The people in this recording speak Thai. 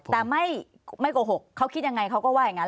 แต่ไม่โกหกเขาคิดยังไงเขาก็ว่าอย่างนั้น